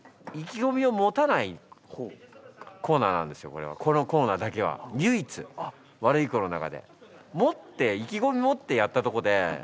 あのこのコーナーだけは唯一「ワルイコ」の中で。